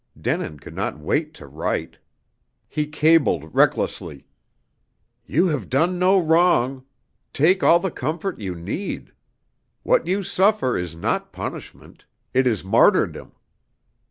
Denin could not wait to write. He cabled recklessly. "You have done no wrong. Take all the comfort you need. What you suffer is not punishment. It is martyrdom."